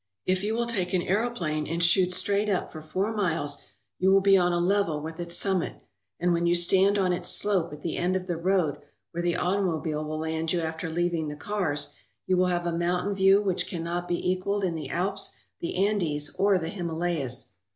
If you will take an aero plane and shoot straight up for four miles you will be on a level with its summit; and when you stand on its slope at the end of the road, where the automobile will land you after leaving the cars, you will have a mountain view which cannot be equalled in the Alps, the Andes, or the Himalayas.